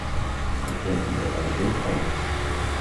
Ik wens u daarbij veel sterkte.